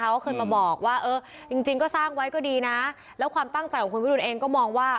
เขาเคยมาบอกว่าเออจริงก็สร้างไว้ก็ดีนะแล้วความตั้งใจของคุณวิรุณเองก็มองว่า